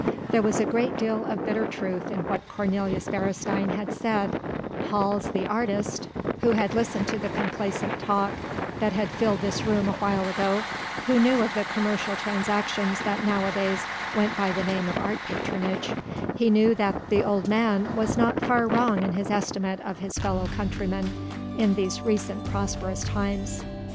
There was a great deal of bitter truth in what Cornelius Beresteyn had said: Hals the artist who had listened to the complacent talk that had filled this room awhile ago who knew of the commercial transactions that nowadays went by the name of art patronage he knew that the old man was not far wrong in his estimate of his fellow countrymen in these recent prosperous times.